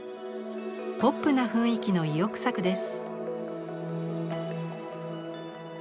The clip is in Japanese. ポップな雰囲気の意欲作です。